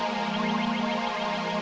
makasih ya makasih mbak